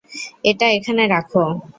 এটা এখানে রাখো।